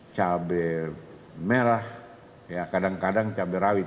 cabai merah kadang kadang cabai rawit